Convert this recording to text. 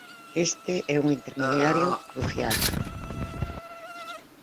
Este é un intermediario crucial.